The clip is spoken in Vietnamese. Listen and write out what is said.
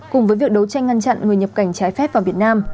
cùng với việc đấu tranh ngăn chặn người nhập cảnh trái phép vào việt nam